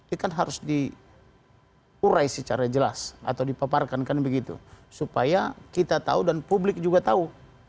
itu kan harus diurai secara jelas atau dipaparkan kan begitu supaya kita tahu dan publik juga tahu